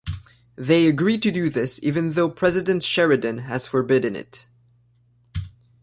They agree to do this even though President Sheridan has forbidden it.